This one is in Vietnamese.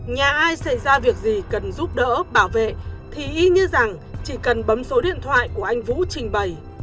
nhà ai xảy ra việc gì cần giúp đỡ bảo vệ thì y như rằng chỉ cần bấm số điện thoại của anh vũ trình bày